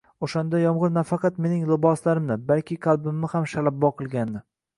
O`shanda yomg`ir nafaqat mening liboslarimni, balki qalbimni ham shallabo qilgandi